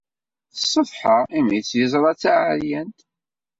Tessetḥa imi tt-yeẓra d taɛeryant.